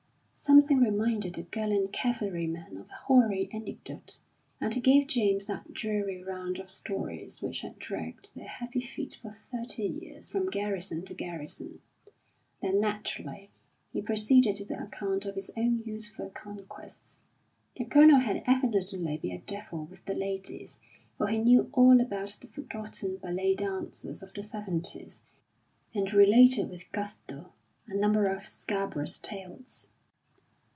Something reminded the gallant cavalryman of a hoary anecdote, and he gave James that dreary round of stories which have dragged their heavy feet for thirty years from garrison to garrison. Then, naturally, he proceeded to the account of his own youthful conquests. The Colonel had evidently been a devil with the ladies, for he knew all about the forgotten ballet dancers of the seventies, and related with gusto a number of scabrous tales.